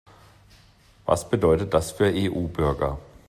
Was bedeutet das für EU-Bürger?